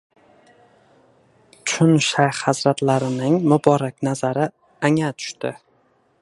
Chun shayx hazratlarining muborak nazari anga tushti